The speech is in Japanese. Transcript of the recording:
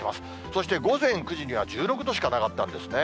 そして午前９時には１６度しかなかったんですね。